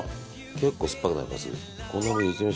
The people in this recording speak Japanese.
結構酸っぱくなります？